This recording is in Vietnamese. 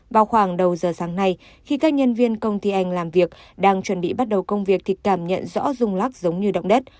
vào khoảng đầu giờ sáng nay khi các nhân viên công ty anh làm việc đang chuẩn bị bắt đầu công việc thì cảm nhận rõ rung lắc giống như động đất